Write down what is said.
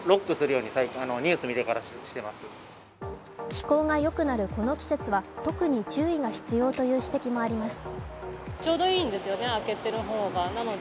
季候が良くなるこの季節は特に注意が必要という指摘もあります。